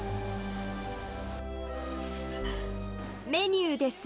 メニューです。